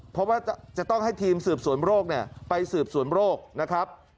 เพราะว่าจะต้องให้ทีมสืบสวนโรคไปสืบสวนโรคนะครับ